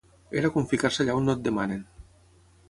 Era com ficar-se allà on no et demanen.